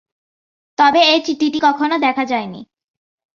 তবে এ চিঠিটি কখনো দেখা যায়নি।